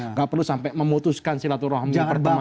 nggak perlu sampai memutuskan silaturahmi pertama